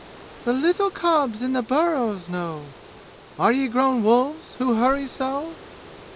"The little cubs in the burrows know. Are ye grown wolves, who hurry so?"